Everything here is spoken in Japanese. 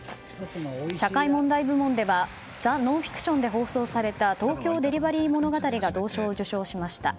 社会問題部門では「ザ・ノンフィクション」で放送された「東京デリバリー物語」が銅賞を受賞しました。